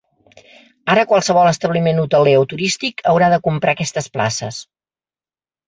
Ara qualsevol establiment hoteler o turístic haurà de comprar aquestes places.